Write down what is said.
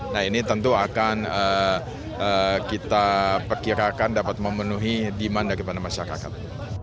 nah ini tentu akan kita perkirakan dapat memenuhi demand daripada masyarakat